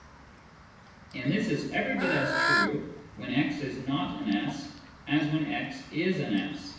And this is every bit as true when x is not an S as when x is an S.